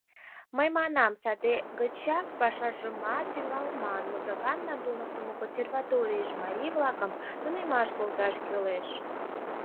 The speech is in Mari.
Мый манам: саде гычак пашажымат тӱҥалман: музыклан туныктымо консерваторийыш марий-влакым тунемаш колташ кӱлеш.